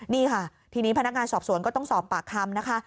นี่ค่ะทีนี้พนักงานสอบสวนก็ต้องสอบปากคำนะคะ